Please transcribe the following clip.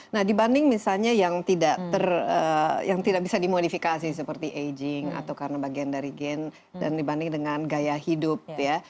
nah dibanding misalnya yang tidak bisa dimodifikasi seperti aging atau karena bagian dari gen dan dibanding dengan gaya hidup ya